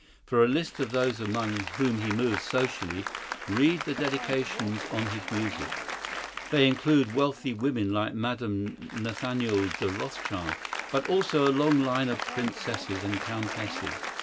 For a list of those among whom he moved socially read the dedications on his music. They include wealthy women, like Mme. Nathaniel de Rothschild, but also a long line of princesses and countesses.